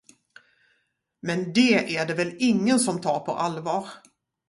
Men det är det väl ingen som tar på allvar.